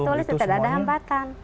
tulis itu tidak ada hambatan